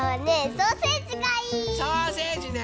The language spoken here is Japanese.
ソーセージね！